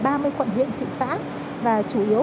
và chủ yếu phục vụ cho công tác vận chuyển hàng thiết yếu